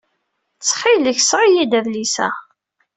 Ttxil-k, seɣ-iyi-d adlis-a.